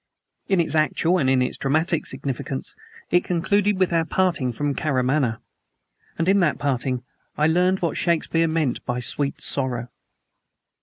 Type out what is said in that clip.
In its actual and in its dramatic significance it concluded with our parting from Karamaneh. And in that parting I learned what Shakespeare meant by "Sweet Sorrow."